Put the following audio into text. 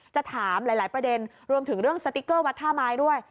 จะถามหลายประเด็นรวมถึงเรื่องสติ๊กเกอร์วัดท่าไม้ด้วย